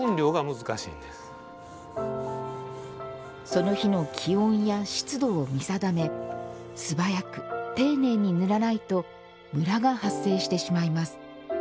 その日の気温や湿度を見定め素早く丁寧に塗らないとムラが発生してしまいます。